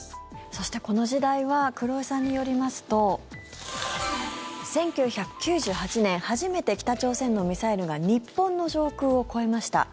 そして、この時代は黒井さんによりますと１９９８年初めて北朝鮮のミサイルが日本の上空を越えました。